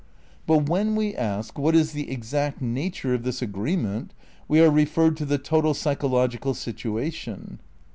'" But when we ask "what is the exact nature of this agreement" we are referred to "the total psychologi cal situation.